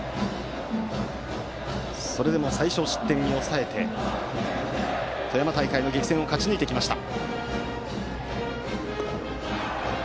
それでも最少失点に抑えて富山大会の激戦を勝ち抜いてきました。